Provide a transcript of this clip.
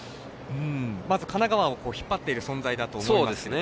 神奈川を引っ張っている存在だと思いますけれど。